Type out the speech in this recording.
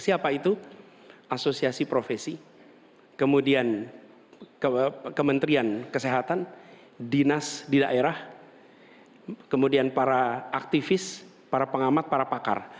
siapa itu asosiasi profesi kemudian kementerian kesehatan dinas di daerah kemudian para aktivis para pengamat para pakar